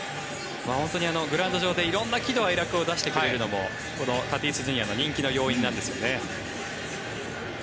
グラウンド上で色んな喜怒哀楽を見せてくれるのもこのタティスＪｒ．の人気の要因なんですよね。